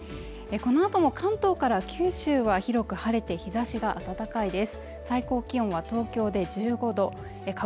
このあとも関東から九州は広く晴れて日差しが暖かいです